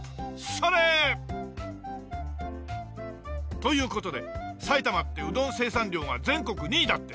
それっ！という事で埼玉ってうどん生産量が全国２位だって！